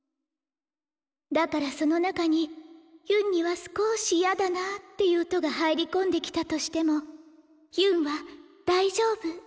だからその中にヒュンにはすこし嫌だなっていう音が入り込んできたとしてもヒュンは大丈夫。